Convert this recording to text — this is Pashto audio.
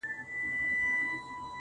كبرجن وو ځان يې غوښـتى پــه دنـيـا كي,